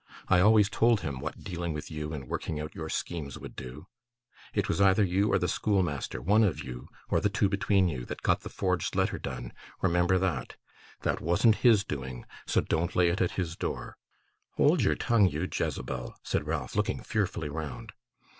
I always told him what dealing with you and working out your schemes would come to. It was either you or the schoolmaster one of you, or the two between you that got the forged letter done; remember that! That wasn't his doing, so don't lay it at his door.' 'Hold your tongue, you Jezebel,' said Ralph, looking fearfully round.